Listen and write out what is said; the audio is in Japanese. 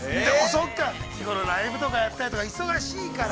◆そっか、日ごろ、ライブとかやってるから、忙しいから。